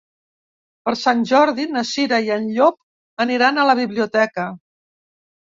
Per Sant Jordi na Cira i en Llop aniran a la biblioteca.